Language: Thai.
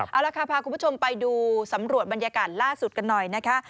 เอาละค่ะพาคุณผู้ชมไปดูสำรวจบรรยากาศล่าสุดกันหน่อยนะคะ